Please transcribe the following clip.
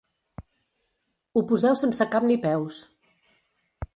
Ho poseu sense cap ni peus.